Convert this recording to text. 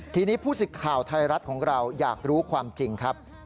ทีนี้ผู้สิทธิ์ข่าวไทยรัฐของเราอยากรู้ความจริงครับ